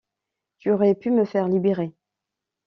Tu aurais pu me faire libérer.